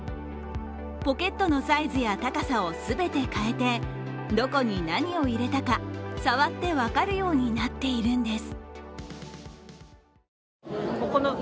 ポケットのサイズや高さを全て変えてどこに何を入れたか、触って分かるようになっているんです。